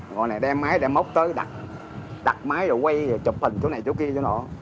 ngồi này đem máy đem mốc tới đặt máy rồi quay chụp hình chỗ này chỗ kia chỗ nọ